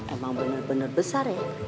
emang bener bener besar ya